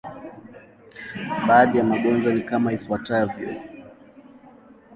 Baadhi ya magonjwa ni kama ifuatavyo.